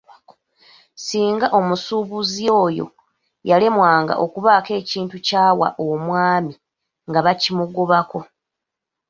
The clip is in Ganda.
Singa omusuubuzi oyo yalemwanga okubaako ekintu ky’awa omwami nga bakimugobako.